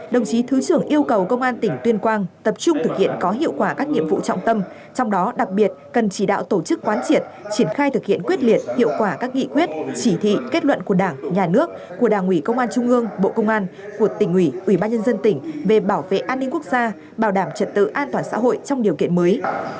đồng chí thứ trưởng yêu cầu công an tỉnh tuyên quang tập trung thực hiện có hiệu quả các nhiệm vụ trọng tâm trong đó đặc biệt cần chỉ đạo tổ chức quán triệt triển khai thực hiện quyết liệt hiệu quả các nghị quyết chỉ thị kết luận của đảng nhà nước của đảng ủy công an trung ương bộ công an của tỉnh ủy ủy ban nhân dân tỉnh về bảo vệ an ninh quốc gia bảo đảm trật tự an toàn xã hội trong điều kiện mới